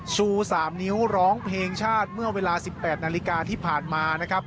ชู๓นิ้วร้องเพลงชาติเมื่อเวลา๑๘นาฬิกาที่ผ่านมานะครับ